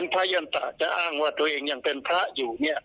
พระยันตะจะอ้างว่าตัวเองยังเป็นพระอยู่